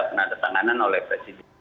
tidak ada tanganan oleh presiden